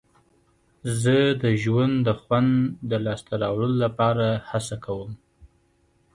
زه د ژوند د خوند د لاسته راوړلو لپاره هڅه کوم.